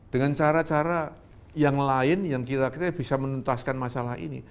dengan cara cara yang lain yang kira kira bisa menuntaskan masalah ini